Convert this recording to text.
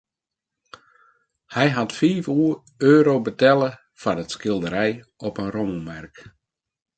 Hy hat fiif euro betelle foar it skilderij op in rommelmerk.